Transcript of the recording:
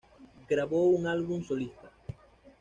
Grabó un álbum solista.